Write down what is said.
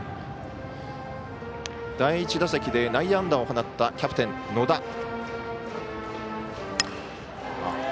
第１打席で内野安打を放ったキャプテンの野田。